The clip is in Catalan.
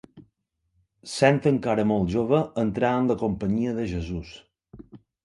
Sent encara molt jove entrà en la Companyia de Jesús.